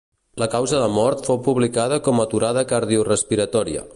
La causa de mort fou publicada com aturada cardiorespiratòria.